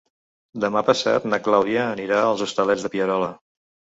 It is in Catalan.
Demà passat na Clàudia anirà als Hostalets de Pierola.